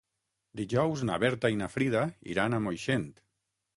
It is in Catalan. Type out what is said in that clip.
Dijous na Berta i na Frida iran a Moixent.